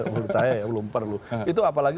menurut saya belum perlu itu apalagi